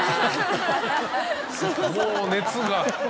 もう熱が。